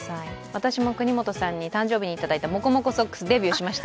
私も國本さんに、誕生日にいただいたもこもこソックス、デビューしました。